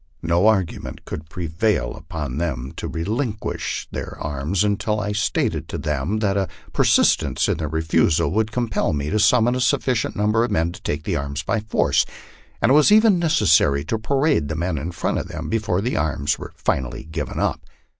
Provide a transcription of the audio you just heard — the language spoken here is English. No argument could prevail upon them to relinquish MY LIFE ON THE PLAINS. 245 their arms until I stated to them that a persistence in their refusal would compel me to summon a sufficient number of men to take the arms by force; and it was even necessary to parade the men in front of them before the arms were finally given up.